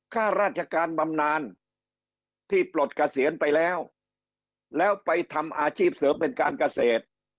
ข้าราชการบำนานที่ปลดเกษียณไปแล้วแล้วไปทำอาชีพเสริมเป็นการเกษตร